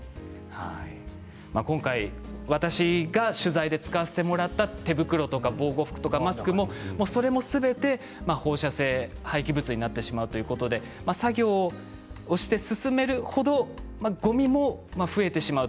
今回、私が取材して使わせていただいた手袋や防護服やマスクもすべて放射性廃棄物になってしまうということで作業をして進める程ごみも増えてしまう。